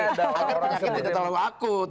agar penyakit tidak terlalu akut